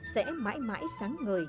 sẽ mãi mãi sáng ngời